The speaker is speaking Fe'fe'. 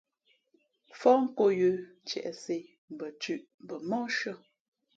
Fóh nkō yə̌ ntiēʼsē, mbα thʉ̄ʼ mbα móhshʉ̄ᾱ.